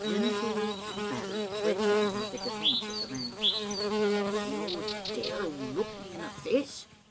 RINTOUL AND BABBIE BREAKDOWN OF THE DEFENCE OF THE MANSE. "You dare to look me in the face!"